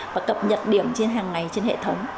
và cập nhật điểm trên hàng ngày trên hệ thống